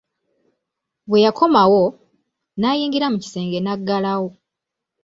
Bwe yakomawo, n'ayingira mu kisenge n'agalawo.